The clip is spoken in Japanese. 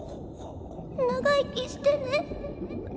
長生きしてね。